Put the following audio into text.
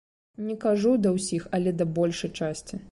Не кажу да ўсіх, але да большай часці.